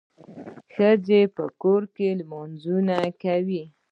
ښځي په کور کي لمونځونه کوي.